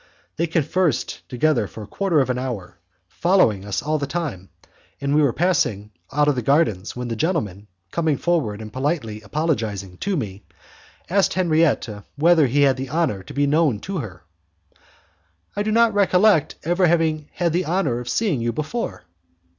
They conversed together for a quarter of an hour, following us all the time, and we were passing out of the gardens, when the gentleman, coming forward, and politely apologizing to me, asked Henriette whether he had the honour to be known to her. "I do not recollect having ever had the honour of seeing you before."